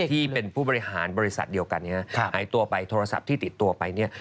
ที่เป็นผู้บริหารบริษัทเดียวกันหายตัวไปโทรศัพท์ที่ติดตัวไปเนี่ย